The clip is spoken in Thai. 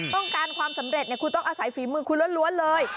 ความสำเร็จคุณต้องอาศัยฝีมือคุณล้วนเลย